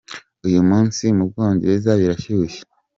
Uyu munsi mu Bwongereza birashyushye